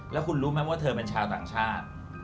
แล้วคุณรู้ไหมว่าเธอเป็นชาวต่างชาติ